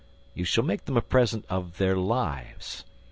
you shall make them a present of their lives